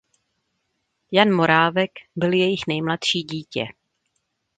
Jan Morávek byl jejich nejmladší dítě.